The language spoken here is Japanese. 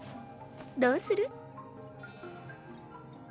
どうする？